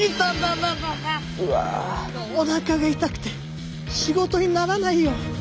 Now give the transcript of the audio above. おなかが痛くて仕事にならないよ！